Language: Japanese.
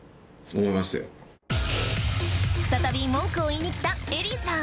再び文句を言いに来たＥＬＬＹさん